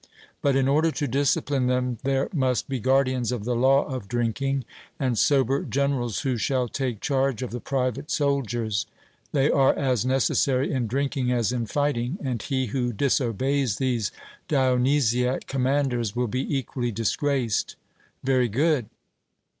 But in order to discipline them there must be guardians of the law of drinking, and sober generals who shall take charge of the private soldiers; they are as necessary in drinking as in fighting, and he who disobeys these Dionysiac commanders will be equally disgraced. 'Very good.'